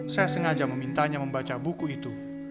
saya sengaja memintanya membaca buku itu